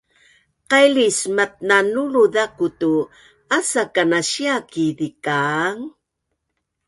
Qailis matnanulu zaku tu asa kanasia ki zikaang